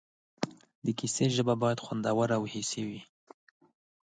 د کیسې ژبه باید خوندوره او حسي وي.